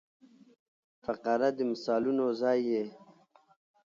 فقره د مثالونو ځای يي.